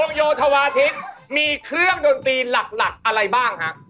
โยธวาทิศมีเครื่องดนตรีหลักอะไรบ้างฮะ